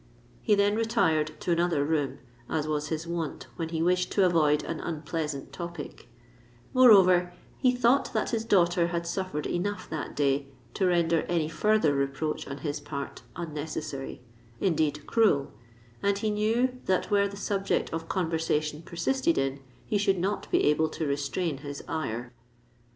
"—He then retired to another room, as was his wont when he wished to avoid an unpleasant topic: moreover, he thought that his daughter had suffered enough that day to render any further reproach on his part unnecessary—indeed cruel; and he knew that were the subject of conversation persisted in, he should not be able to restrain his ire.